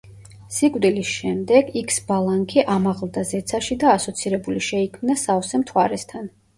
სიკვდილის შემდეგ იქსბალანქი ამაღლდა ზეცაში და ასოცირებული შეიქმნა სავსე მთვარესთან.